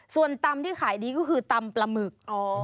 ส่วนตำที่ขายดีก็คือตำปลาหมึก